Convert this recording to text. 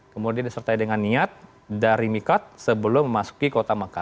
kemudian disertai dengan niat dari mikad sebelum memasuki kota mekah